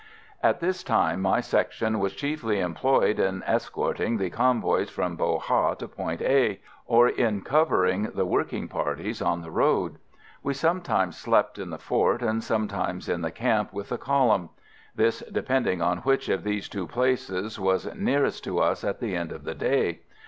At this time my section was chiefly employed in escorting the convoys from Bo Ha to Point A, or in covering the working parties on the road. We sometimes slept in the fort, and sometimes in the camp with the column: this depending on which of these two places was nearest to us at the end of the day.